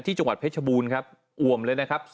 จังหวัดเพชรบูรณ์ครับอ่วมเลยนะครับ